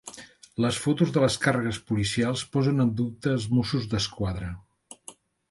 Les fotos de les càrregues policials posen en dubte els Mossos d'Esquadra.